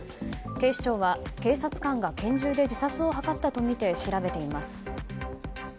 警視庁は、警察官が拳銃で自殺を図ったとみて調べています。